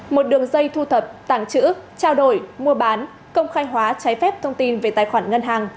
một đường dây thu thập tảng chữ trao đổi mua bán công khai hóa trái phép thông tin về tài khoản ngân hàng